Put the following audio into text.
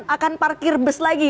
akan parkir bus lagi